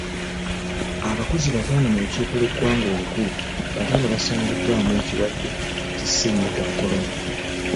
Abakozi bataano mu lukiiko lw'eggwanga olukulu bataano basangiddwamu ekirwadde ki Ssennyiga Kolona.